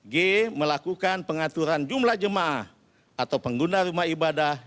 g melakukan pengaturan jumlah jemaah atau pengguna rumah ibadah